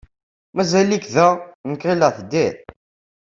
Mazal-ik da? Nekk ɣileɣ teddiḍ.